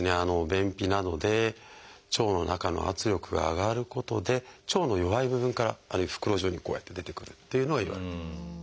便秘などで腸の中の圧力が上がることで腸の弱い部分から袋状にこうやって出てくるっていうのはいわれています。